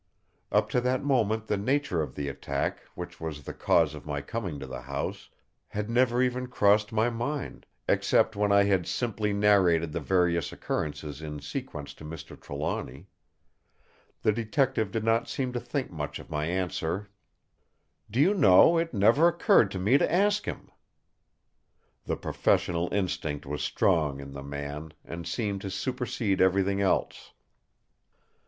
Up to that moment the nature of the attack, which was the cause of my coming to the house, had never even crossed my mind, except when I had simply narrated the various occurrences in sequence to Mr. Trelawny. The Detective did not seem to think much of my answer: "Do you know, it never occurred to me to ask him!" The professional instinct was strong in the man, and seemed to supersede everything else.